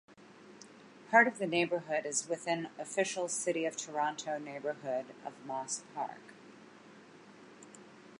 Part of the neighbourhood is within official City of Toronto neighbourhood of Moss Park.